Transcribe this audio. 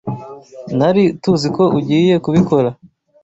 Nari TUZI ko ugiye kubikora.